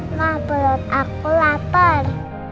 emang perut aku lapar